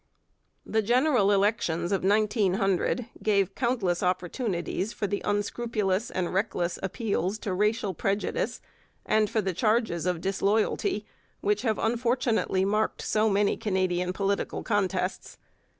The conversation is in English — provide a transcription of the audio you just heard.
The general elections of 1900 gave countless opportunities for the unscrupulous and reckless appeals to racial prejudice and for the charges of disloyalty which have unfortunately marked so many Canadian political contests.